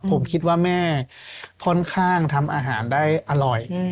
ผมคิดว่าแม่ค่อนข้างทำอาหารได้อร่อย